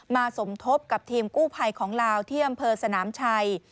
สมทบกับทีมกู้ภัยของลาวที่อำเภอสนามชัย